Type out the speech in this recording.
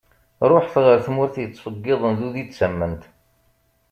Ṛuḥet ɣer tmurt yettfeggiḍen d udi d tament.